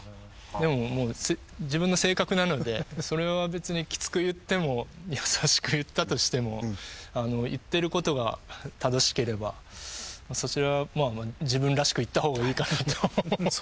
でも自分の性格なのでそれは別にきつく言っても優しく言ったとしても言ってることが正しければそちらは自分らしく言った方がいいかなと。